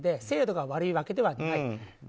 制度が悪いわけではない。